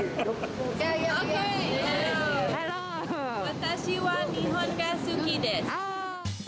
私は日本が好きです。